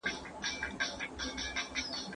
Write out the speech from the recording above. د تاریخ